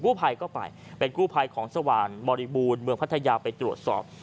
ผู้ภัยก็ไปเป็นกู้ภัยของสว่างบริบูรณ์เมืองพัทยาไปตรวจสอบ